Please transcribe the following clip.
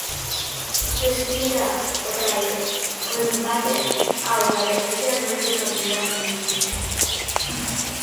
Respira o Raio, o empate ao Valencia non lle cambia a vida.